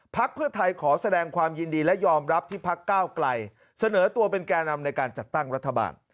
เพื่อไทยขอแสดงความยินดีและยอมรับที่พักก้าวไกลเสนอตัวเป็นแก่นำในการจัดตั้งรัฐบาล